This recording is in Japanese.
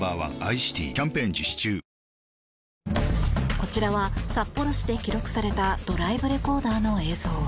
こちらは、札幌市で記録されたドライブレコーダーの映像。